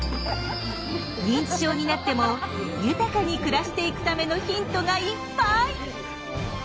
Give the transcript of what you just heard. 認知症になっても豊かに暮らしていくためのヒントがいっぱい！